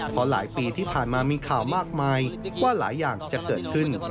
เพราะหลายปีที่ผ่านมามีข่าวมากมายว่าหลายอย่างจะเกิดขึ้น